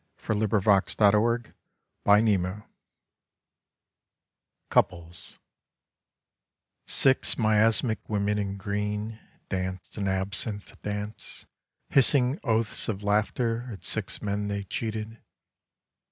46 Slabs of the Sunburnt West COUPLES Six miasmic women in green danced an absinthe dance hissing oaths of laughter at six men they cheated.